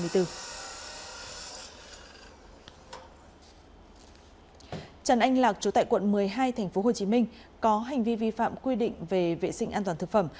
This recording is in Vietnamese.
trần anh lạc chủ tại quận một mươi hai tp hcm có hành vi vi phạm quy định về vệ sinh an toàn thực phẩm